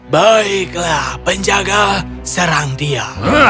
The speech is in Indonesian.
baiklah penjaga serang dia